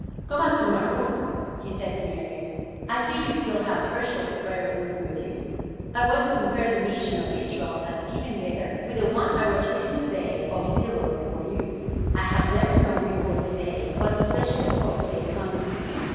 "Come up to my room," he said to Marion. "I see you still have Herschel's prayer book with you. I want to compare the mission of Israel as given there with the one I was reading to day of Leroy Beaulieu's. I have never known before to day what special hope they clung to.